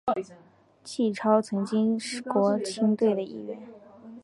纪超曾经是国青队的一员。